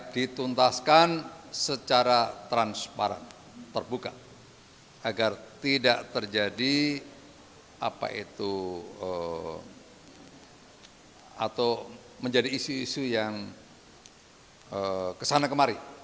dan secara transparan terbuka agar tidak terjadi apa itu atau menjadi isu isu yang kesana kemari